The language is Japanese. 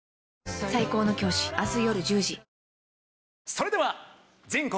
それでは全国